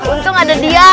untung ada dia